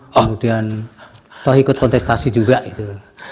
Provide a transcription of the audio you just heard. kemudian toh ikut kontestasi juga itu